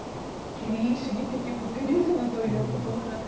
権威主義的ポピュリズムという言葉が。